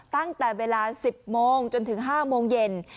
ตั้งแต่เวลา๑๐โมงจนถึง๕โมงเย็น